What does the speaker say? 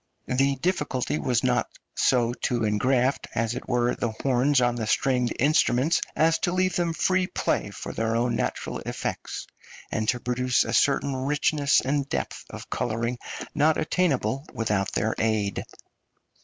The difficulty was so to engraft, as it were, the horns on the stringed instruments as to leave them free play for their own natural effects, and to produce a certain richness and depth of colouring not attainable without their aid.